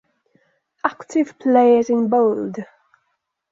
Active players in bold.